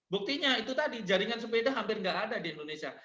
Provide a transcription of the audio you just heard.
buktinya itu tadi jaringan sepeda hampir tidak ada di indonesia